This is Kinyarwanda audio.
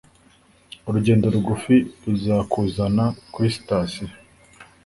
Urugendo rugufi ruzakuzana kuri sitasiyo.